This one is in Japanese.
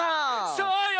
そうよ！